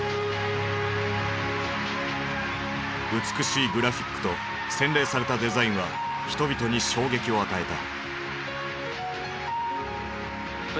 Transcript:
美しいグラフィックと洗練されたデザインは人々に衝撃を与えた。